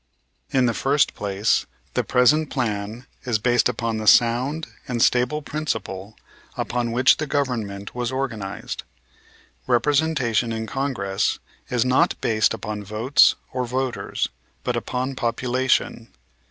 In the first place, the present plan is based upon the sound and stable principle upon which the Government was organized. Representation in Congress is not based upon votes or voters, but upon population.